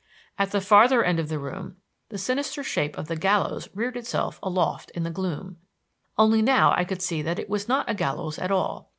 At the farther end of the room the sinister shape of the gallows reared itself aloft in the gloom; only now I could see that it was not a gallows at all.